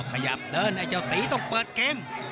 ขยับเดินไอ้เจ้าตีต้องเปิดเกม